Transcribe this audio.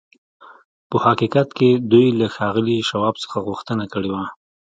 په حقیقت کې دوی له ښاغلي شواب څخه غوښتنه کړې وه